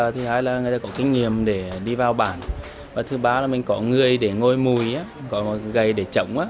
thứ hai là người ta có kinh nghiệm để đi vào bản thứ ba là mình có người để ngồi mùi có gầy để trống